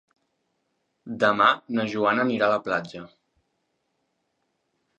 Demà na Joana anirà a la platja.